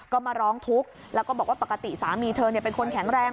ก็มาร้องทุกข์แล้วก็บอกว่าปกติสามีเธอเป็นคนแข็งแรง